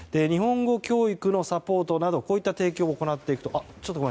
日本語教育のサポートなどこういった提供を行っていくと。